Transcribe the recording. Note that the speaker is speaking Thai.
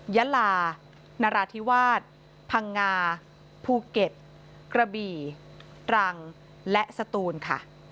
ยาลานราธิวาสพังงาภูเก็ตกระบี่ตรังและสตูนค่ะ